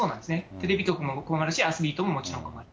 テレビ局も困るし、アスリートももちろん困る。